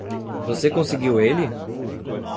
Você conseguiu ele?